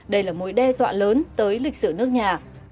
đây là mối đe dọa lớn tới lịch sử nước nhà